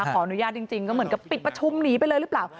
ขออนุญาตจริงก็เหมือนกับปิดประชุมหนีไปเลยหรือเปล่า